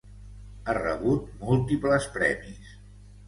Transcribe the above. Ha rebut múltiples premis.